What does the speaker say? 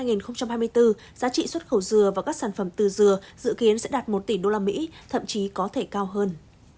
giá trị xuất khẩu rửa và các sản phẩm từ rửa dự kiến sẽ đạt một tỷ đô la mỹ thậm chí có thể cao hơn